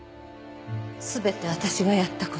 全て私がやった事。